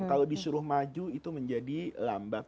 kalau disuruh maju itu menjadi lambat